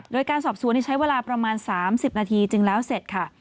โดยการสอบสวนใช้เวลาประมาณ๓๐นาทีจึงแล้วเสร็จค่ะ